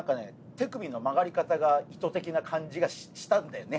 手首の曲がり方が意図的な感じがしたんだよね